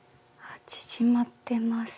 縮まってます。